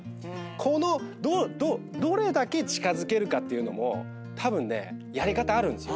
このどれだけ近づけるかっていうのもたぶんねやり方あるんすよ。